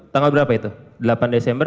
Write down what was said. tanggal berapa itu delapan desember